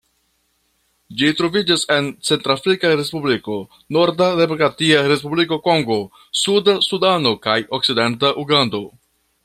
Ĝi troviĝas en Centrafrika Respubliko, norda Demokratia Respubliko Kongo, suda Sudano kaj okcidenta Ugando.